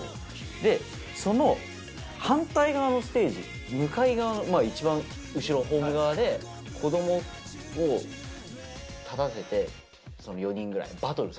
でその反対側のステージ向かい側のいちばん後ろホーム側で子どもを立たせて４人くらい。